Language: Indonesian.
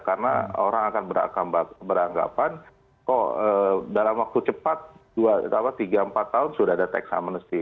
karena orang akan beranggapan kok dalam waktu cepat tiga empat tahun sudah ada atax amnesty